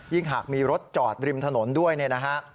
ยิ่งหากมีรถจอดริมถนนด้วยนะฮะ